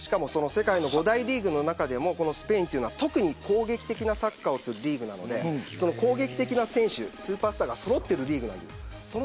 世界の５大リーグの中でもスペインは特に攻撃的なサッカーをするリーグなので攻撃的な選手、スーパースターがそろっているリーグ。